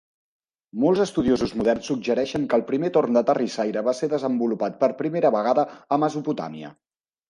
Molts estudiosos moderns suggereixen que el primer torn de terrissaire va ser desenvolupat per primera vegada a Mesopotàmia.